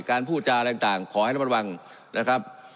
มันมันระวังนะครับ